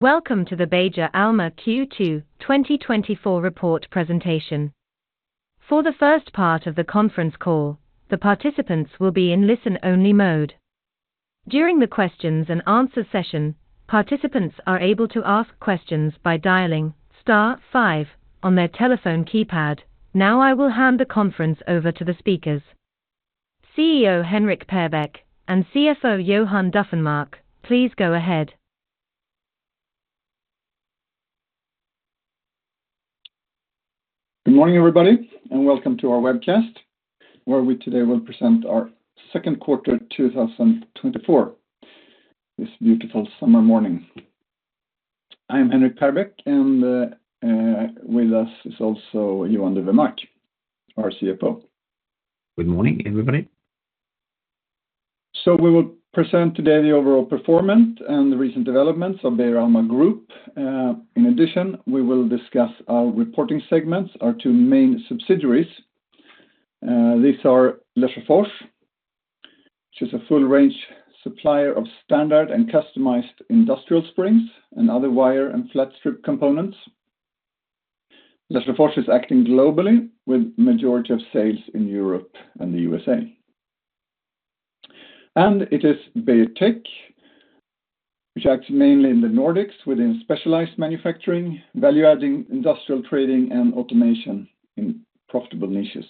Welcome to the Beijer Alma Q2 2024 report presentation. For the first part of the conference call, the participants will be in listen-only mode. During the Q&A session, participants are able to ask questions by dialing star five on their telephone keypad. Now I will hand the conference over to the speakers. CEO Henrik Perbeck and CFO Johan Dufvenmark, please go ahead. Good morning, everybody, and welcome to our webcast, where we today will present our second quarter 2024, this beautiful summer morning. I'm Henrik Perbeck, and with us is also Johan Dufvenmark, our CFO. Good morning, everybody. So we will present today the overall performance and the recent developments of Beijer Alma Group. In addition, we will discuss our reporting segments, our two main subsidiaries. These are Lesjöfors, which is a full-range supplier of standard and customized industrial springs and other wire and flat strip components. Lesjöfors is acting globally, with the majority of sales in Europe and the USA. And it is Beijer Tech, which acts mainly in the Nordics within specialized manufacturing, value-adding industrial trading, and automation in profitable niches.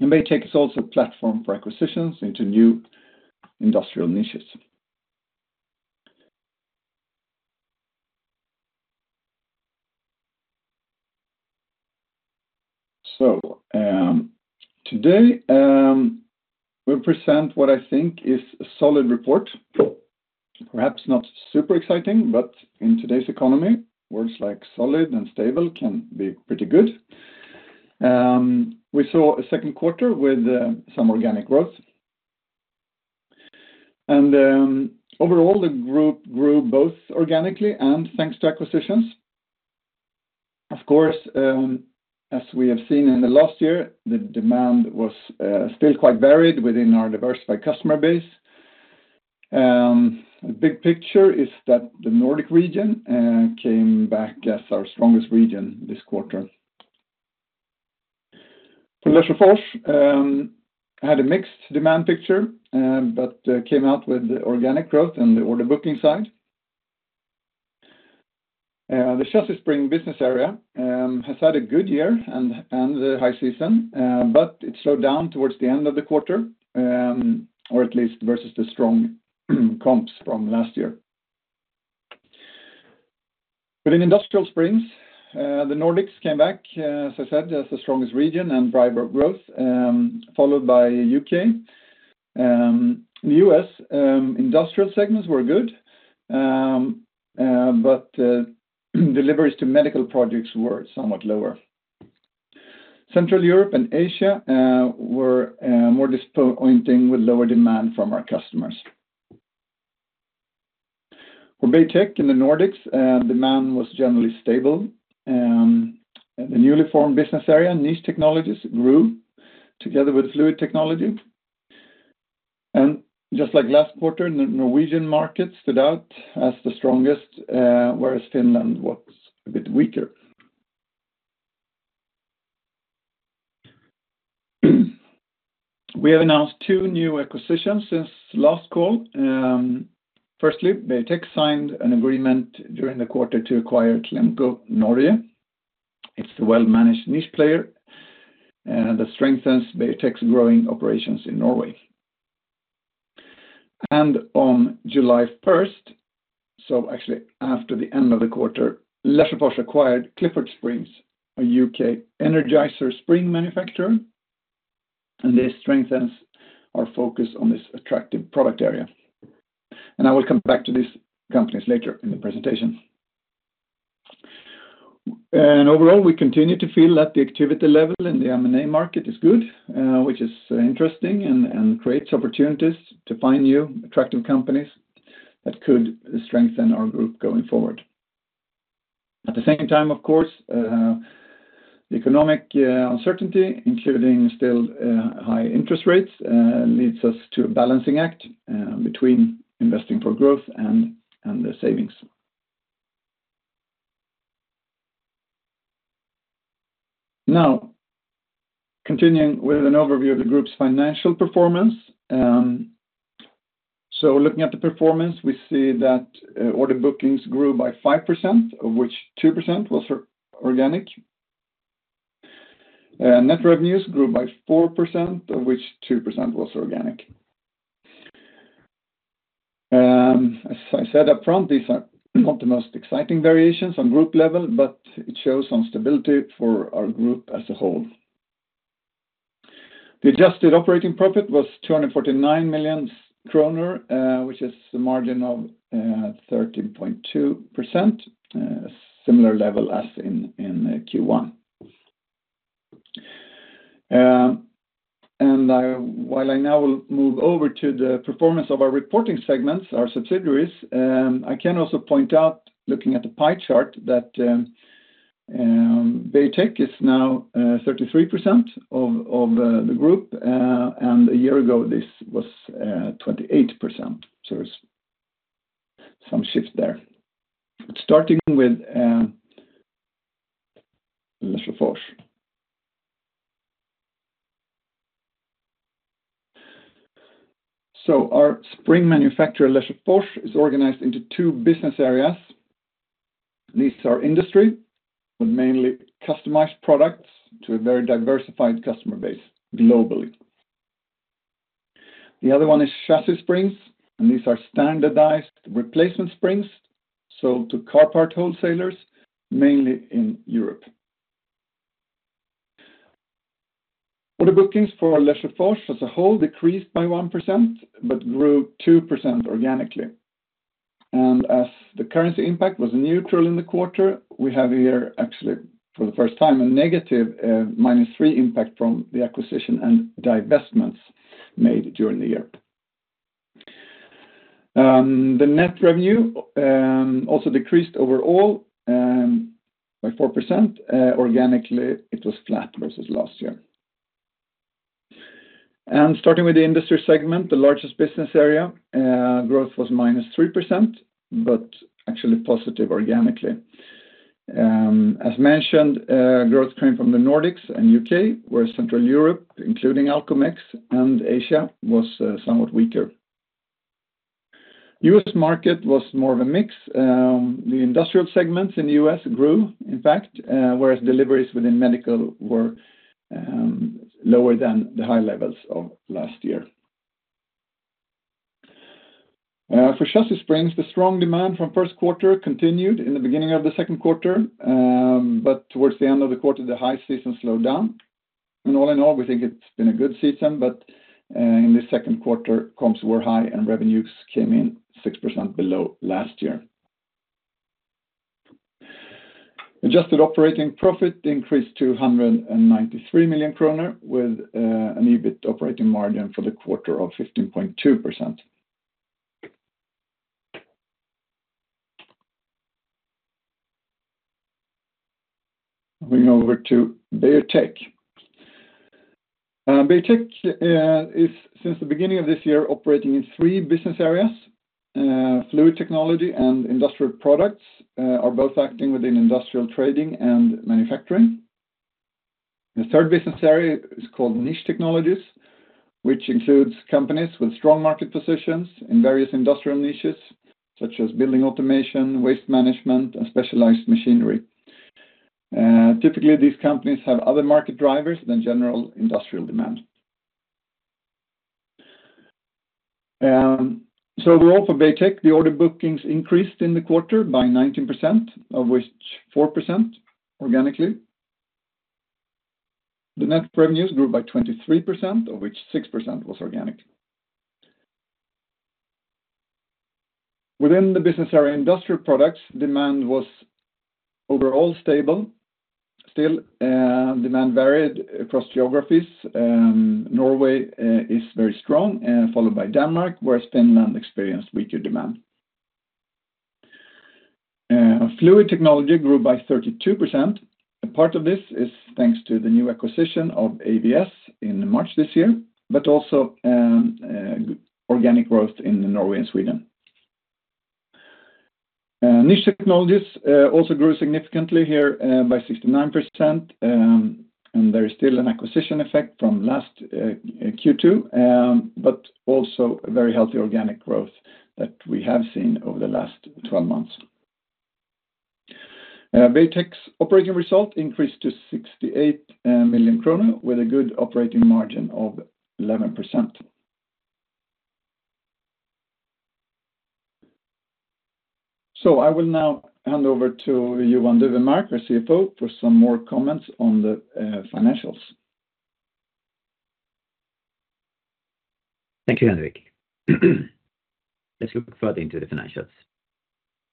And Beijer Tech is also a platform for acquisitions into new industrial niches. So today we'll present what I think is a solid report, perhaps not super exciting, but in today's economy, words like solid and stable can be pretty good. We saw a second quarter with some organic growth. And overall, the group grew both organically and thanks to acquisitions. Of course, as we have seen in the last year, the demand was still quite varied within our diversified customer base. The big picture is that the Nordic region came back as our strongest region this quarter. For Lesjöfors, I had a mixed demand picture, but came out with organic growth on the order booking side. The Chassis Spring business area has had a good year and the high season, but it slowed down towards the end of the quarter, or at least versus the strong comps from last year. Within industrial springs, the Nordics came back, as I said, as the strongest region and driver of growth, followed by the U.K. In the U.S., industrial segments were good, but deliveries to medical projects were somewhat lower. Central Europe and Asia were more disappointing with lower demand from our customers. For Beijer Tech in the Nordics, demand was generally stable. The newly formed business area, Niche Technologies, grew together with Fluid Technology. Just like last quarter, the Norwegian market stood out as the strongest, whereas Finland was a bit weaker. We have announced two new acquisitions since last call. Firstly, Beijer Tech signed an agreement during the quarter to acquire Clemco Norge. It's a well-managed niche player that strengthens Beijer Tech's growing operations in Norway. On July 1st, so actually after the end of the quarter, Lesjöfors acquired Clifford Springs, a U.K. energiser spring manufacturer, and this strengthens our focus on this attractive product area. I will come back to these companies later in the presentation. Overall, we continue to feel that the activity level in the M&A market is good, which is interesting and creates opportunities to find new attractive companies that could strengthen our group going forward. At the same time, of course, the economic uncertainty, including still high interest rates, leads us to a balancing act between investing for growth and the savings. Now, continuing with an overview of the group's financial performance. So looking at the performance, we see that order bookings grew by 5%, of which 2% was organic. Net revenues grew by 4%, of which 2% was organic. As I said upfront, these are not the most exciting variations on group level, but it shows some stability for our group as a whole. The adjusted operating profit was 249 million kronor, which is a margin of 13.2%, a similar level as in Q1. While I now will move over to the performance of our reporting segments, our subsidiaries, I can also point out, looking at the pie chart, that Beijer Tech is now 33% of the group, and a year ago this was 28%. So there's some shift there. Starting with Lesjöfors. So our spring manufacturer, Lesjöfors, is organized into two business areas. These are industry, with mainly customized products to a very diversified customer base globally. The other one is Chassis Springs, and these are standardized replacement springs, sold to car part wholesalers, mainly in Europe. Order bookings for Lesjöfors as a whole decreased by 1%, but grew 2% organically. And as the currency impact was neutral in the quarter, we have here actually for the first time a negative -3% impact from the acquisition and divestments made during the year. The net revenue also decreased overall by 4%. Organically, it was flat versus last year. Starting with the industry segment, the largest business area, growth was -3%, but actually positive organically. As mentioned, growth came from the Nordics and U.K., where Central Europe, including Alcomex and Asia, was somewhat weaker. The US market was more of a mix. The industrial segments in the U.S. grew, in fact, whereas deliveries within medical were lower than the high levels of last year. For Chassis Springs, the strong demand from first quarter continued in the beginning of the second quarter, but towards the end of the quarter, the high season slowed down. And all in all, we think it's been a good season, but in the second quarter, comps were high and revenues came in 6% below last year. Adjusted operating profit increased to 193 million kronor, with an EBIT operating margin for the quarter of 15.2%. Moving over to Beijer Tech. Beijer Tech is, since the beginning of this year, operating in three business areas. Fluid Technology and Industrial Products are both acting within industrial trading and manufacturing. The third business area is called Niche Technologies, which includes companies with strong market positions in various industrial niches, such as building automation, waste management, and specialized machinery. Typically, these companies have other market drivers than general industrial demand. So overall for Beijer Tech, the order bookings increased in the quarter by 19%, of which 4% organically. The net revenues grew by 23%, of which 6% was organic. Within the business area, Industrial Products demand was overall stable. Still, demand varied across geographies. Norway is very strong, followed by Denmark, whereas Finland experienced weaker demand. Fluid Technology grew by 32%. A part of this is thanks to the new acquisition of AVS in March this year, but also organic growth in Norway and Sweden. Niche Technologies also grew significantly here by 69%, and there is still an acquisition effect from last Q2, but also very healthy organic growth that we have seen over the last 12 months. Beijer Tech's operating result increased to 68 million krona, with a good operating margin of 11%. I will now hand over to Johan Dufvenmark, our CFO, for some more comments on the financials. Thank you, Henrik. Let's look further into the financials.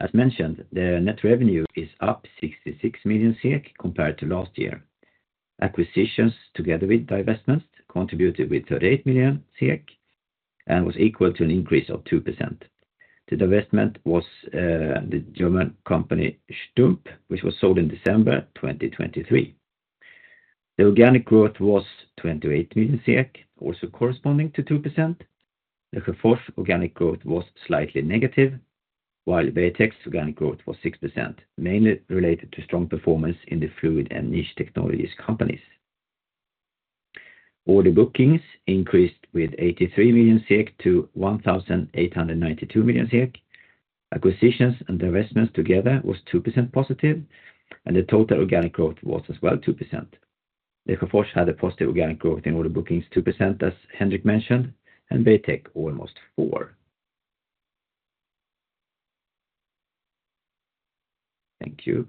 As mentioned, the net revenue is up 66 million compared to last year. Acquisitions, together with divestments, contributed with 38 million and was equal to an increase of 2%. The divestment was the German company Stumpp, which was sold in December 2023. The organic growth was 28 million, also corresponding to 2%. Lesjöfors' organic growth was slightly negative, while Beijer Tech's organic growth was 6%, mainly related to strong performance in the Fluid and Niche Technologies companies. Order bookings increased with 83 million to 1,892 million SEK. Acquisitions and divestments together was 2% positive, and the total organic growth was as well 2%. Lesjöfors had a positive organic growth in order bookings 2%, as Henrik mentioned, and Beijer Tech almost 4%. Thank you.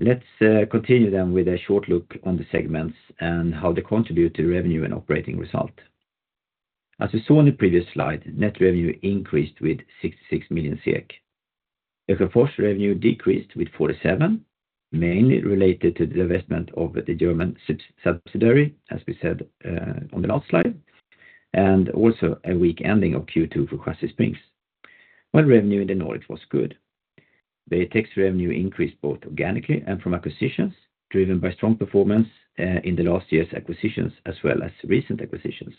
Let's continue then with a short look on the segments and how they contribute to the revenue and operating result. As we saw in the previous slide, net revenue increased with 66 million. Lesjöfors' revenue decreased with 47%, mainly related to the divestment of the German subsidiary, as we said on the last slide, and also a weak ending of Q2 for Chassis Springs, while revenue in the Nordics was good. Beijer Tech's revenue increased both organically and from acquisitions driven by strong performance in the last year's acquisitions as well as recent acquisitions.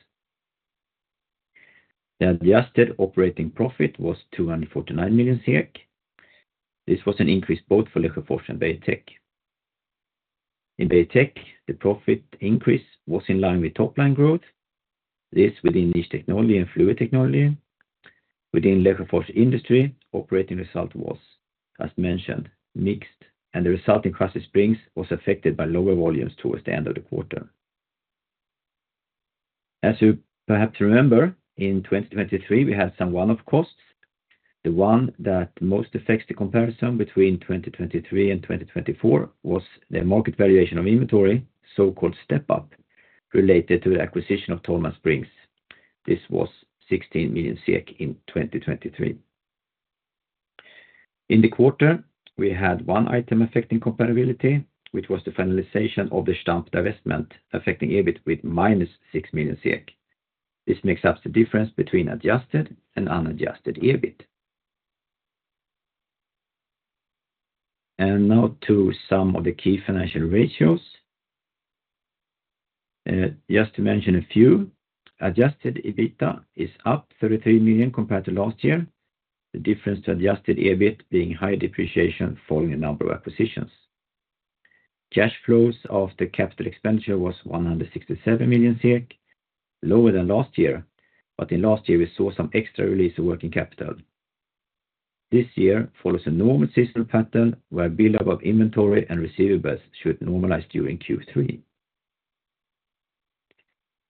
The adjusted operating profit was 249 million. This was an increase both for Lesjöfors and Beijer Tech. In Beijer Tech, the profit increase was in line with top-line growth, this within Niche Technologies and Fluid Technology. Within Lesjöfors Industry, operating result was, as mentioned, mixed, and the result in Chassis Springs was affected by lower volumes towards the end of the quarter. As you perhaps remember, in 2023, we had some one-off costs. The one that most affects the comparison between 2023 and 2024 was the market valuation of inventory, so-called step-up, related to the acquisition of Tollman Spring. This was 16 million SEK in 2023. In the quarter, we had one item affecting comparability, which was the finalization of the Stumpp divestment affecting EBIT with minus 6 million. This makes up the difference between adjusted and unadjusted EBIT. And now to some of the key financial ratios. Just to mention a few, adjusted EBITDA is up 33 million compared to last year, the difference to adjusted EBIT being higher depreciation following a number of acquisitions. Cash flows of the capital expenditure was 167 million, lower than last year, but in last year, we saw some extra release of working capital. This year follows a normal seasonal pattern where build-up of inventory and receivables should normalize during Q3.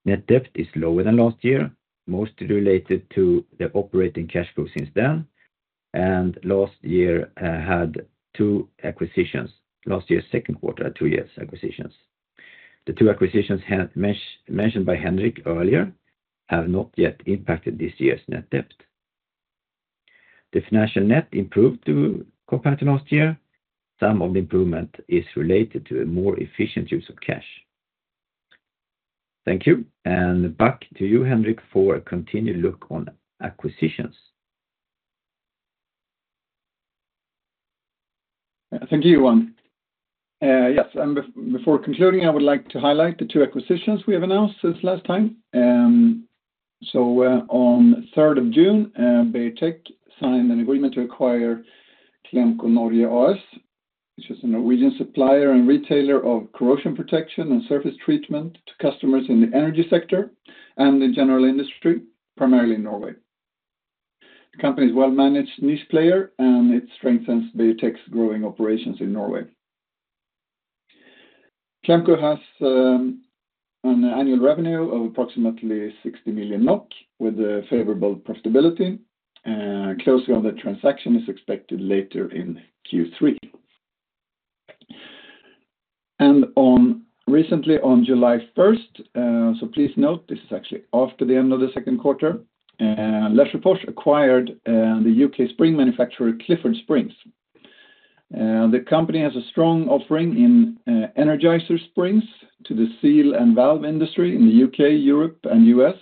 Net debt is lower than last year, mostly related to the operating cash flow since then, and last year had two acquisitions, last year's second quarter had two years' acquisitions. The two acquisitions mentioned by Henrik earlier have not yet impacted this year's net debt. The financial net improved compared to last year. Some of the improvement is related to a more efficient use of cash. Thank you, and back to you, Henrik, for a continued look on acquisitions. Thank you, Johan. Yes, before concluding, I would like to highlight the two acquisitions we have announced since last time. So on 3rd of June, Beijer Tech signed an agreement to acquire Clemco Norge AS, which is a Norwegian supplier and retailer of corrosion protection and surface treatment to customers in the energy sector and the general industry, primarily in Norway. The company is a well-managed niche player, and it strengthens Beijer Tech's growing operations in Norway. Clemco has an annual revenue of approximately 60 million NOK, with favorable profitability, and closing on the transaction is expected later in Q3. And recently, on July 1st, so please note, this is actually after the end of the second quarter, Lesjöfors acquired the U.K. spring manufacturer Clifford Springs. The company has a strong offering in energiser springs to the seal and valve industry in the U.K., Europe, and U.S.,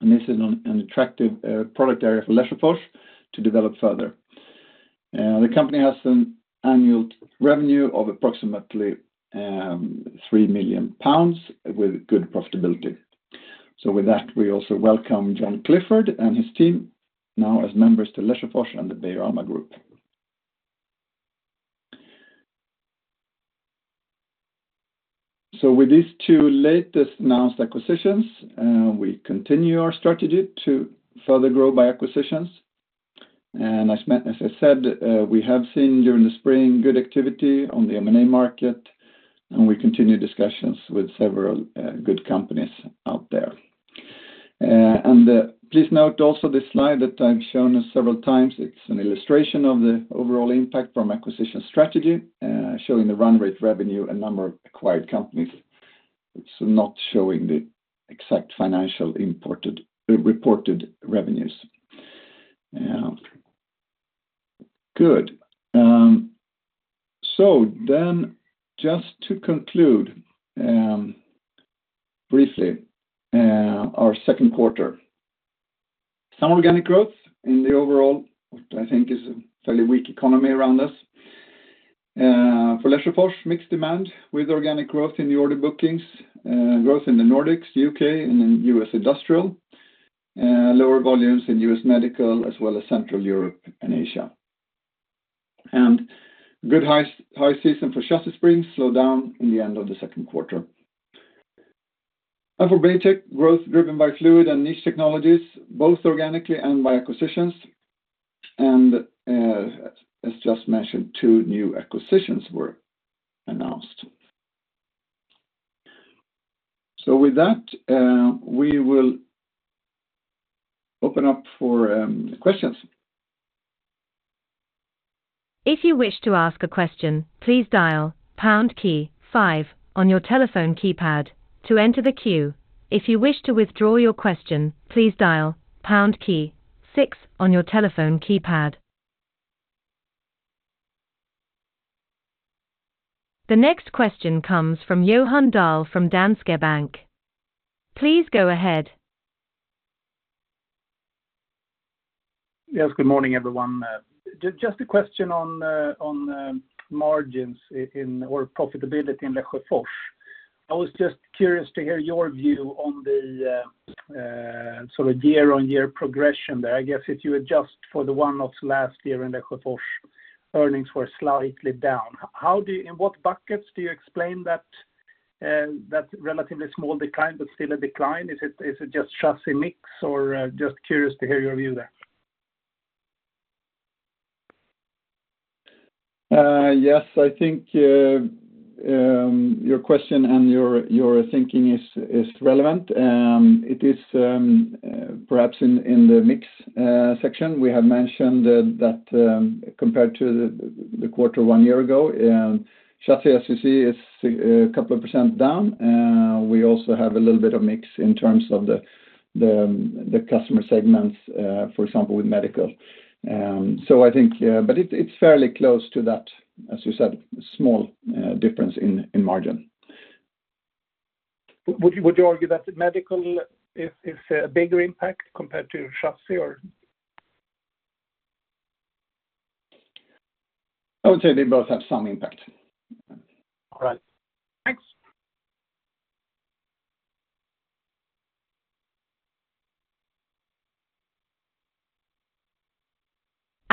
and this is an attractive product area for Lesjöfors to develop further. The company has an annual revenue of approximately 3 million pounds with good profitability. So with that, we also welcome John Clifford and his team, now as members to Lesjöfors and the Beijer Alma Group. So with these two latest announced acquisitions, we continue our strategy to further grow by acquisitions. And as I said, we have seen during the spring good activity on the M&A market, and we continue discussions with several good companies out there. And please note also this slide that I've shown several times. It's an illustration of the overall impact from acquisition strategy, showing the run-rate revenue and number of acquired companies. It's not showing the exact financial reported revenues. Good. So then just to conclude briefly, our second quarter. Some organic growth in the overall, what I think is a fairly weak economy around us. For Lesjöfors, mixed demand with organic growth in the order bookings, growth in the Nordics, U.K., and in US industrial, lower volumes in US medical, as well as Central Europe and Asia. And good high season for Chassis Springs, slowed down in the end of the second quarter. And for Beijer Tech, growth driven by Fluid Technology and Niche Technologies, both organically and by acquisitions. And as just mentioned, two new acquisitions were announced. So with that, we will open up for questions. If you wish to ask a question, please dial pound key five on your telephone keypad to enter the queue. If you wish to withdraw your question, please dial pound key six on your telephone keypad. The next question comes from Johan Dahl from Danske Bank. Please go ahead. Yes, good morning everyone. Just a question on margins or profitability in Lesjöfors. I was just curious to hear your view on the sort of year-on-year progression there. I guess if you adjust for the one-offs last year in Lesjöfors, earnings were slightly down. In what buckets do you explain that relatively small decline, but still a decline? Is it just chassis mix or just curious to hear your view there? Yes, I think your question and your thinking is relevant. It is perhaps in the mix section. We have mentioned that compared to the quarter one year ago, chassis, as you see, is a couple of % down. We also have a little bit of mix in terms of the customer segments, for example, with medical. So I think, but it's fairly close to that, as you said, small difference in margin. Would you argue that medical is a bigger impact compared to chassis or? I would say they both have some impact.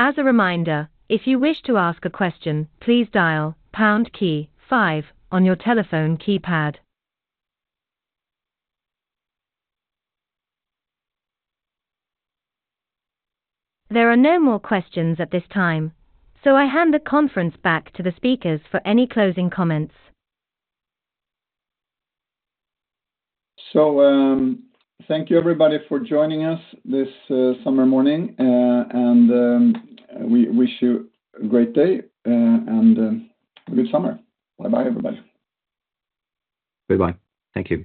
All right. Thanks. As a reminder, if you wish to ask a question, please dial pound key five on your telephone keypad. There are no more questions at this time, so I hand the conference back to the speakers for any closing comments. Thank you everybody for joining us this summer morning, and we wish you a great day and a good summer. Bye-bye, everybody. Bye-bye. Thank you.